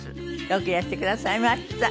よくいらしてくださいました。